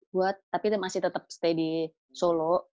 buat tapi masih tetap stay di solo